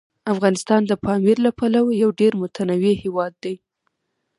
افغانستان د پامیر له پلوه یو ډېر متنوع هیواد دی.